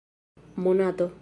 monato